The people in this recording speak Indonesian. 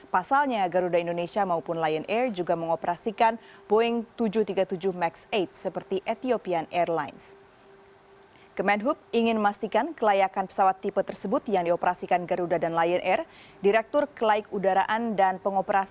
pasalnya garuda indonesia maupun lion air juga mengoperasikan boeing tujuh ratus tiga puluh tujuh max delapan seperti ethiopian airlineskan